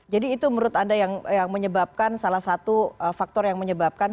jadi itu menurut anda yang menyebabkan salah satu faktor yang menyebabkan